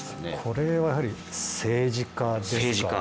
これはやはり政治家ですかね。